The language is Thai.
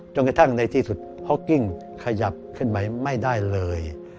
กระทั่งในที่สุดฮอกกิ้งขยับขึ้นไปไม่ได้เลย